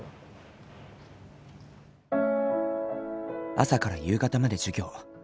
朝から夕方まで授業。